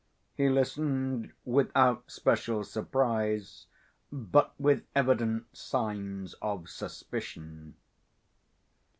He listened without special surprise, but with evident signs of suspicion.